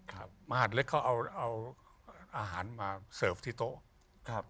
มาหาดเล็กเขาเอาอาหารมาเสิร์ฟที่โต๊ะ